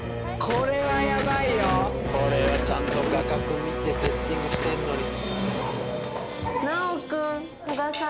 これは、ちゃんと画角見てセッティングしてんのに。